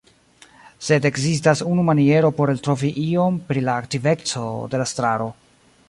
Sed ekzistas unu maniero por eltrovi iom pri la aktiveco de la estraro.